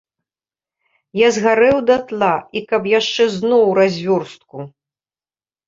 Я згарэў датла і каб яшчэ зноў развёрстку!